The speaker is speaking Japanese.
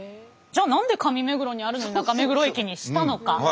じゃあ何で上目黒にあるのに中目黒駅にしたのか。